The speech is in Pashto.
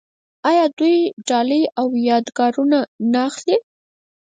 آیا دوی ډالۍ او یادګارونه نه اخلي؟